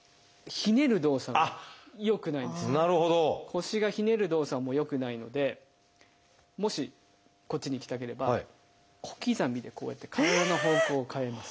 腰がひねる動作も良くないのでもしこっちに行きたければ小刻みでこうやって体の方向を変えます。